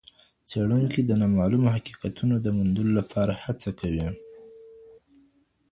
څېړونکی د نامعلومو حقیقتونو د موندلو لپاره هڅه کوي.